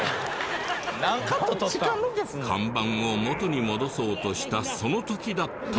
看板をもとに戻そうとしたその時だった。